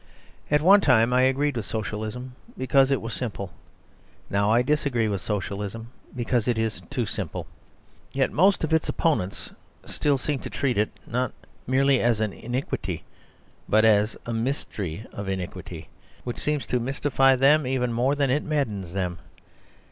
At one time I agreed with Socialism, because it was simple. Now I disagree with Socialism, because it is too simple. Yet most of its opponents still seem to treat it, not merely as an iniquity but as a mystery of iniquity, which seems to mystify them even more than it maddens them.